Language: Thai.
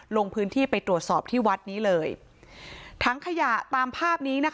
ลงพื้นที่ไปตรวจสอบที่วัดนี้เลยถังขยะตามภาพนี้นะคะ